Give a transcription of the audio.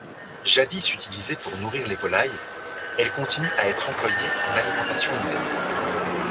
Jadis utilisée pour nourrir les volailles, elle continue à être employée en alimentation humaine.